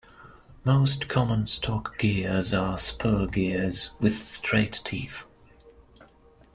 Most common stock gears are spur gears, with straight teeth.